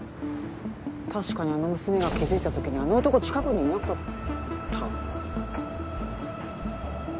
確かにあの娘が気付いた時にあの男近くにいなかった？